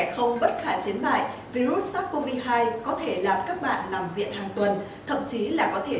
khâu vẫn khả chiến bại virus sars cov hai có thể làm các bạn nằm viện hàng tuần thậm chí là có thể